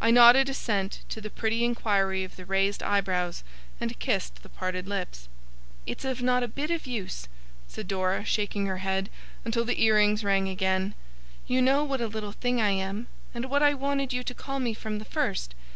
I nodded assent to the pretty inquiry of the raised eyebrows, and kissed the parted lips. 'It's of not a bit of use,' said Dora, shaking her head, until the ear rings rang again. 'You know what a little thing I am, and what I wanted you to call me from the first.